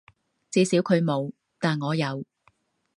至少佢冇，但我有